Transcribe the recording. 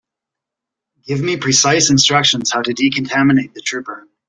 Give me precise instructions how to decontaminate the trooper.